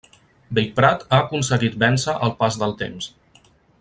Bellprat ha aconseguit vèncer el pas del temps.